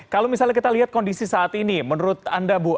kalau misalnya kita lihat kondisi saat ini menurut anda bu